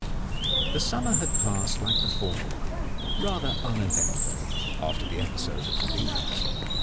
The summer had passed like the former one, rather uneventfully after the episode of the bees.